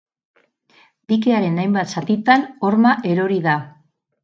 Dikearen hainbat zatitan horma erori da.